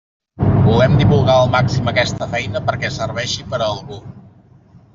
Volem divulgar al màxim aquesta feina perquè serveixi per a algú.